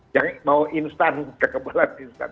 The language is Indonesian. jangan mau instan kekebalan instan